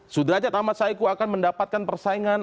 sudrajat ahmad saiku akan mendapatkan persaingan